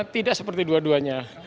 tidak seperti dua duanya